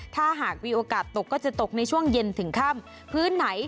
ถ้าหากมีโอกาสตกก็จะตกในช่วงเย็นถึงค่ำพื้นไหน